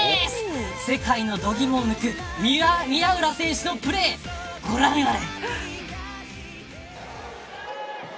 世界の度肝を抜く宮浦選手のプレーご覧あれ。